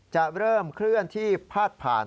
จะเริ่มเคลื่อนที่พาดผ่าน